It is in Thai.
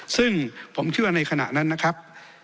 ซึ่งผมเชื่อว่าในขณะนั้นนะครับ